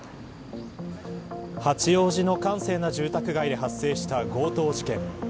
八王子の閑静な住宅街で発生した強盗事件。